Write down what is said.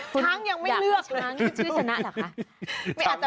ช้างยังไม่เลือกช้างนี่ชื่อชนะเหรอคะ